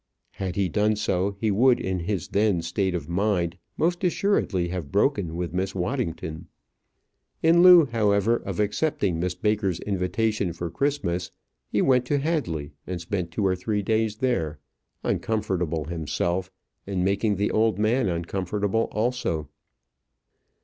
Had he done so, he would, in his then state of mind, most assuredly have broken with Miss Waddington. In lieu, however, of accepting Miss Baker's invitation for Christmas, he went to Hadley and spent two or three days there, uncomfortable himself, and making the old man uncomfortable also.